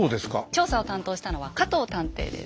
調査を担当したのは加藤探偵です。